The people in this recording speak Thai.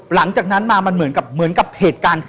หลังจากนั้นมามันเหมือนกับเหตุการณ์